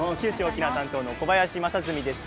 九州沖縄担当の小林将純です。